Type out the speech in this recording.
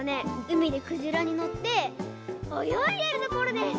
うみでくじらにのっておよいでるところです！